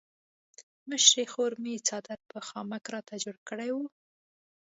مشرې خور مې څادر په خامکو راته جوړ کړی وو.